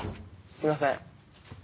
すいません。